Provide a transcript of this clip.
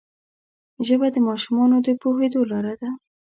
ژبه د ماشومانو د پوهېدو لاره ده